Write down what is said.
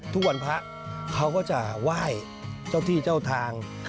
ทุกวันพระเขาก็จะไหว้เจ้าที่เจ้าทาง